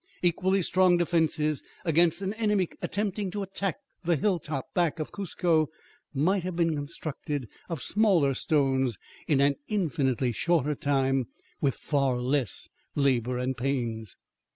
Equally strong defenses against an enemy attempting to attack the hilltop back of Cuzco might have been constructed of smaller stones in an infinitely shorter time, with far less labor and pains.